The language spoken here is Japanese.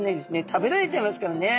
食べられちゃいますからね。